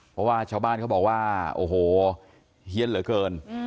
เพราะว่าชาวบ้านเขาบอกว่าโอ้โหเฮียนเหลือเกิน